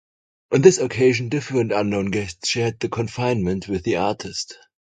On this occasion different unknown guests shared the confinement with the artist.